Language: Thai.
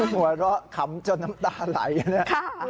หัวเราะคำจนน้ำตาไหล